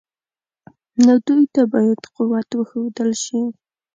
نو دوی ته باید قوت وښودل شي.